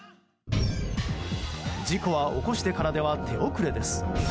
事故は起こしてからでは手遅れです。